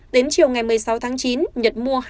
đến chiều ngày một mươi sáu tháng chín nhật mua